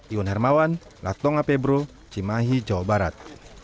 iwan hermawan latonga pebro cimahi jawa barat